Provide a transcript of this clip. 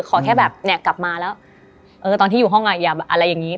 ขอแค่แบบเนี่ยกลับมาแล้วตอนที่อยู่ห้องอ่ะอย่าอะไรอย่างนี้